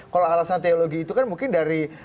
kalau alasan teologi itu kan mungkin dari